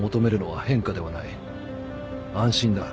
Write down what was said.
安心だ。